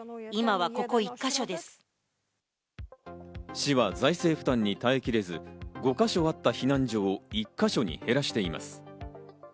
市は財政負担に耐え切れず、５か所あった避難所を１か所に減らしています。